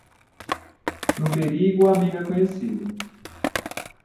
No perigo o amigo é conhecido.